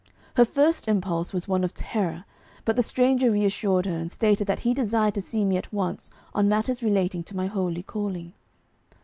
Her first impulse was one of terror, but the stranger reassured her, and stated that he desired to see me at once on matters relating to my holy calling.